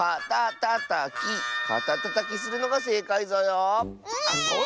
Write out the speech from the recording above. かたたたきするのがせいかいぞよ。